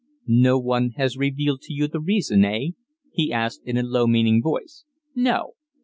"No one has revealed to you the reason eh?" he asked in a low, meaning voice. "No."